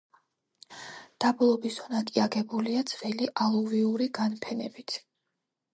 დაბლობი ზონა კი აგებულია ძველი ალუვიური განფენებით.